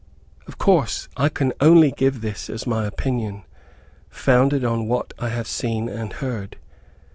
Of course I only give this as my opinion, founded on what I have seen and heard.